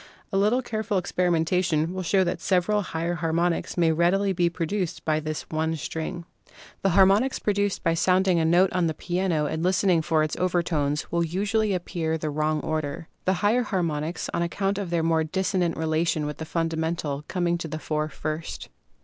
A little care ful experimentation will show that several still higher harmonics may readily be produced by this one string. 130 PHYSICS The harmonics produced by sounding a note on the piano and listening for its overtones will usually appear the wrong order, the higher harmonics, on account of their more dissonant relation with the fundamental coming to the fore first.